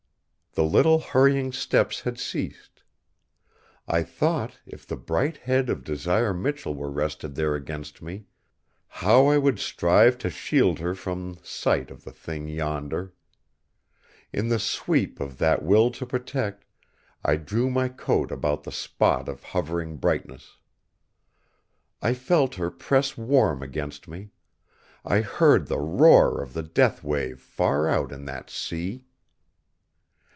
The little hurrying steps had ceased. I thought, if the bright head of Desire Michell were rested there against me, how I would strive to shield her from sight of the Thing yonder. In the sweep of that will to protect, I drew my coat about the spot of hovering brightness. I felt her press warm against me. I heard the roar of the death wave far out in that sea.